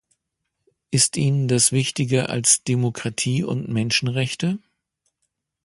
Ist Ihnen das wichtiger als Demokratie und Menschenrechte?